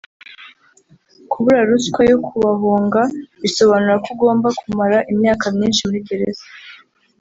Kubura ruswa yo kubahonga bisobanura ko ugomba kumara imyaka myinshi muri gereza